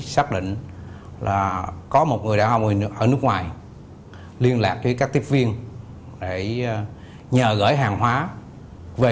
xác định là có một người đã ngồi ở nước ngoài liên lạc với các tiếp viên để nhờ gửi hàng hóa về